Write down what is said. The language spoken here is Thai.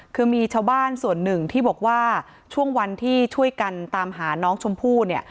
คือมีชาวบ้านส่วนหนึ่งที่บอกว่าช่วงวันที่ช่วยกันตามหาน้องชมพู่เนี่ย